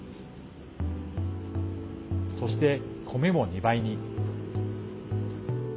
そして米も２倍に。